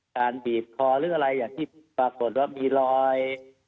บีบคอหรืออะไรอย่างที่ปรากฏว่ามีรอย